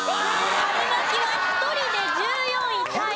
春巻は１人で１４位タイです。